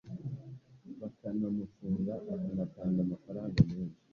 bakanamufunga akanatanga amafaranga menshi